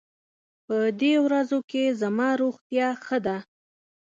په دې ورځو کې زما روغتيا ښه ده.